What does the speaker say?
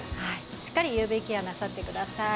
しっかりＵＶケアなさってください。